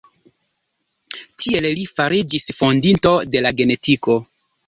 Tiel li fariĝis fondinto de la genetiko.